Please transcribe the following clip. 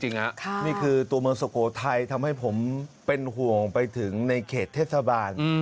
นี่คือตัวเมืองสุโขทัยทำให้ผมเป็นหวงไปถึงมัน